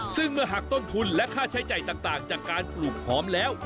ซึ่งเมื่อหักต้นทุนและค่าใช้จ่ายต่างจากการปลูกหอมแล้ว